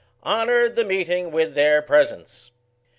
honoured the meeting with their presence.